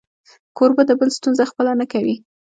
کوربه د بل ستونزه خپله نه کوي.